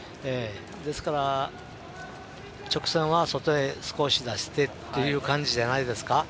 ですから、直線は外へ少し出してという感じじゃないですか。